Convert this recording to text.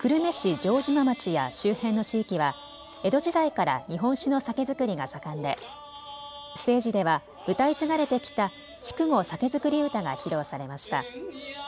城島町や周辺の地域は江戸時代から日本酒の酒造りが盛んでステージでは歌い継がれてきた筑後酒造り唄が披露されました。